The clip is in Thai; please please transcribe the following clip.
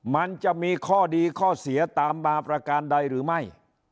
มันจะมีข้อดีข้อเสียตามมาประการใดหรือไม่